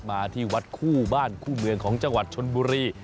มาที่วัดคู่บ้านคู่เมืองของจังหวัดชนบุรี